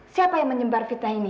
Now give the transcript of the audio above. siapa yang menyebar fitnah ini